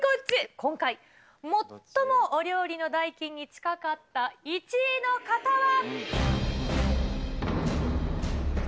今回、最もお料理の代金に近かった１位の方は。